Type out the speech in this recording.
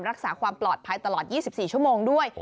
รักษาความปลอดภัยตลอด๒๔ชั่วโมงด้วย